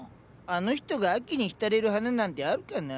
あの人が秋に浸れる花なんてあるかな？